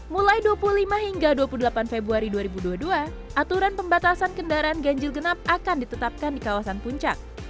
mulai dua puluh lima hingga dua puluh delapan februari dua ribu dua puluh dua aturan pembatasan kendaraan ganjil genap akan ditetapkan di kawasan puncak